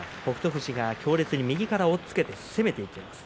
富士が強烈に右から押っつけて攻めてます。